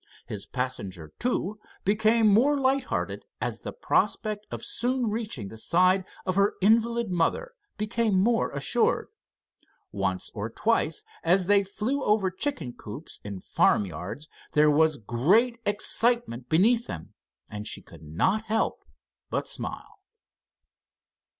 His passenger, too, became more light hearted as the prospect of soon reaching the side of her invalid mother became more assured. Once or twice as they flew over chicken coops in farm yards there was great excitement beneath them, and she could not help but smile.